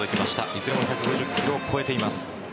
いずれも１５０キロを超えています。